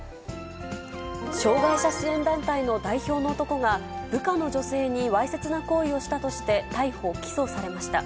障がい者支援団体の代表の男が、部下の女性にわいせつな行為をしたとして逮捕・起訴されました。